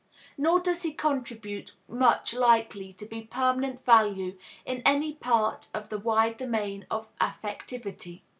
Nor does he contribute much likely to be of permanent value in any part of the wide domain of affectivity.